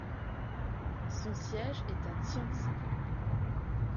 Son siège est à Tientsin.